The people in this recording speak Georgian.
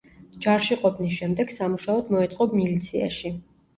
ჯარში ყოფნის შემდეგ სამუშაოდ მოეწყო მილიციაში.